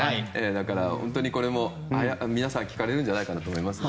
だから本当にこれも皆さん聴かれるんじゃないかと思いますね。